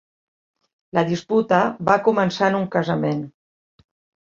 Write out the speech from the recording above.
La disputa va començar en un casament